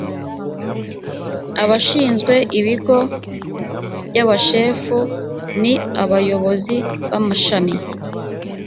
abashinzwe ibigo n’abashefu ni abayobozi b’amashami